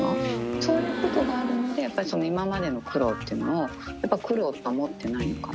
そういうことがあるんで、やっぱり今までの苦労っていうのを、やっぱ苦労と思ってないのかも。